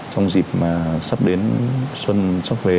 trong dịp mà sắp đến xuân sắp về